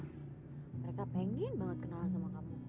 mereka pengen banget kenalan sama kamu